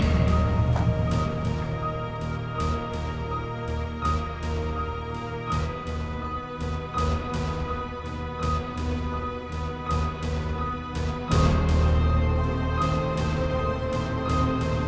fel ilham tuanku